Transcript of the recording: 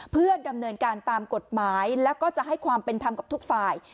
เพื่อดำเนินการตามกฎหมายแล้วก็จะให้ความเป็นธรรมกับทุกฝ่าย